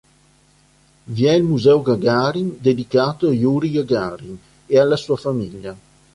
Vi è il museo Gagarin dedicato a Jurij Gagarin e alla sua famiglia.